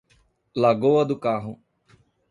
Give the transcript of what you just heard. Lagoa do Carro